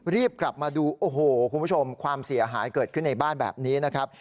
รีบกลับมาดูโอ้โหคุณผู้ชมความเสียหายเกิดขึ้นในบ้านแบบนี้นะครับ